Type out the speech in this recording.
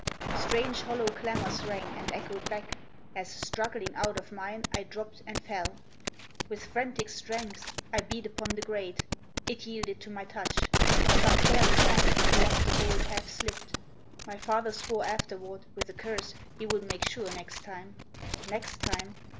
Strange, hollow clamors rang and echoed back, As, struggling out of mine, I dropped and fell. With frantic strength I beat upon the grate. It yielded to my touch. Some careless hand Had left the bolt half slipped. My father swore Afterward, with a curse, he would make sure Next time. NEXT TIME.